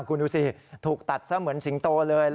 คุณดูสิถูกตัดซะเหมือนสิงโตเลย